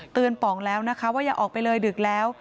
ป๋องแล้วนะคะว่าอย่าออกไปเลยดึกแล้ว